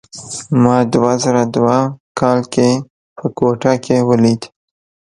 ما دوه زره دوه کال کې په کوټه کې ولید.